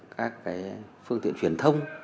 các cái phương tiện truyền thông